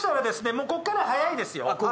もうこっから早いですよ。